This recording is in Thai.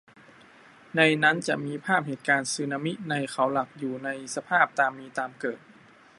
ในนั้นจะมีภาพเหตุการณ์สึนามิในเขาหลักอยู่ในสภาพตามมีตามเกิด